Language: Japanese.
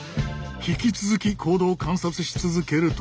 引き続き行動を観察し続けると。